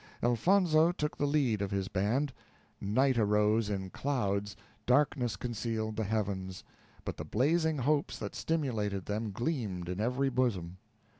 Elfonzo took the lead of his band. Night arose in clouds; darkness concealed the heavens; but the blazing hopes that stimulated them gleamed in every bosom.